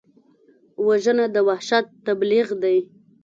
وژنه د وحشت تبلیغ دی